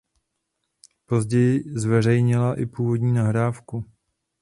Později zveřejnila i původní nahrávku.